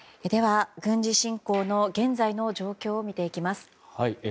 軍事侵攻の現在の状況を見ていきます。